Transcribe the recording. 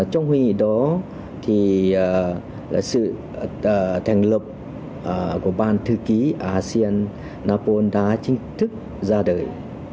trong hội nghị đó sự thành lập của ban thư ký asean apol đã chính thức ra đời